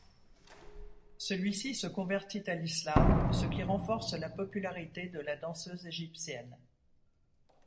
Celui-ci se convertit à l’islam, ce qui renforce la popularité de la danseuse égyptienne.